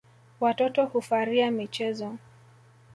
Watoto hufaria michezo.